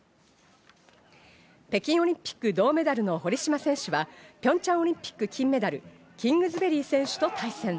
北京オリンピック銅メダルの堀島選手はピョンチャンオリンピック金メダル、キングズベリー選手と対戦。